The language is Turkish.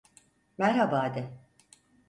Merhaba de.